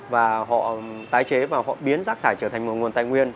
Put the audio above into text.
và họ tái chế và họ biến rác thải trở thành một nguồn tài nguyên